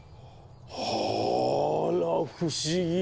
あら不思議。